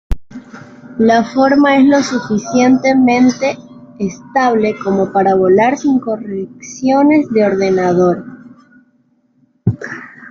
La forma es lo suficientemente estable como para volar sin correcciones de ordenador.